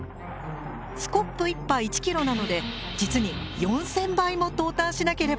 スコップ１杯１キロなので実に４，０００杯も投炭しなければなりません。